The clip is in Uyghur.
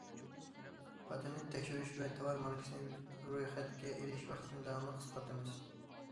پاتېنت تەكشۈرۈش ۋە تاۋار ماركىسىنى رويخەتكە ئېلىش ۋاقتىنى داۋاملىق قىسقارتىمىز.